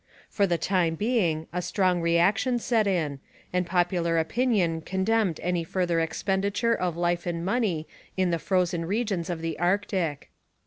For the time being a strong reaction set in, and popular opinion condemned any further expenditure of life and money in the frozen regions of the Arctic.